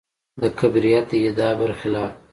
د کبریت د ادعا برخلاف.